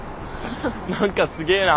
何かすげえな。